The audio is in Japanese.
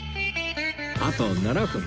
あと７分